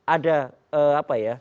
ada apa ya